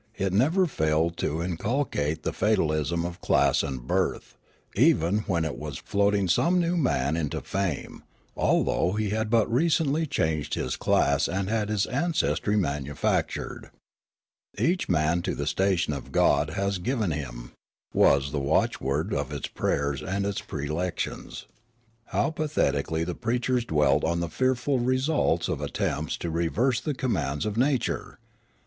It never failed to in culcate the fatalism of class and birth, even when it was floating some new man into fame, although he had but recently changed his class and had his ancestry manufactured, '' E^ach man to the station God has given I04 Riallaro him," was the watchword of its prayers and its prelec tions. How patheticall}^ the preachers dwelt on the fearful results of attempts to reverse the commands of nature